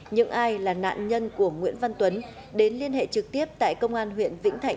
những ai là nạn nhân của nguyễn văn tuấn đến liên hệ trực tiếp tại công an huyện vĩnh thạnh